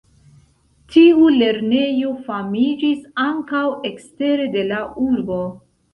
Tiu lernejo famiĝis ankaŭ ekstere de la urbo.